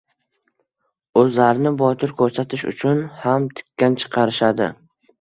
O‘zlarini botir ko‘rsatish uchun ham tikan chiqarishadi.